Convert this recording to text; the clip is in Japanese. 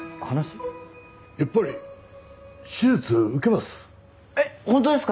やっぱり手術受けます。